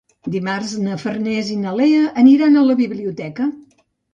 Dimarts na Farners i na Lea aniran a la biblioteca.